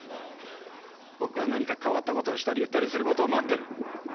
僕が何か変わったことをしたり言ったりすることを待ってる。